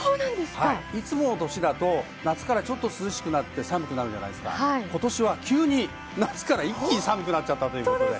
いつもの年だと夏からちょっと涼しくなって寒くなるんですが、今年は急に夏から一気に寒くなっちゃったということです。